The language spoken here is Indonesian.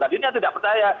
tadinya tidak percaya